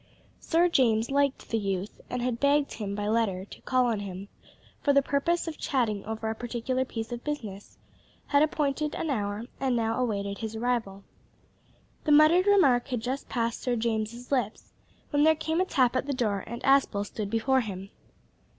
Sir James liked the youth, and had begged him, by letter, to call on him, for the purpose of chatting over a particular piece of business, had appointed an hour, and now awaited his arrival. The muttered remark had just passed Sir James's lips when there came a tap at the door, and Aspel stood before him.